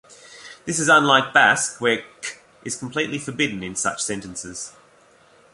This is unlike Basque, where "-k" is completely forbidden in such sentences.